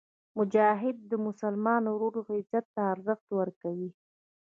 مجاهد د مسلمان ورور عزت ته ارزښت ورکوي.